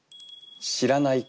「知らない子」。